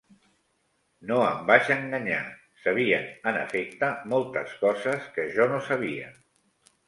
No em vaig enganyar: sabien en efecte moltes coses que jo no sabia.